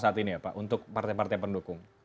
saat ini ya pak untuk partai partai pendukung